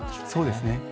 そうですね。